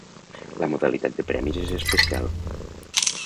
La modalitat de premis és especial.